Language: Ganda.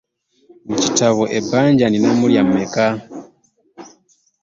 Mu kitabo ebbanja nninamu lya mmeka?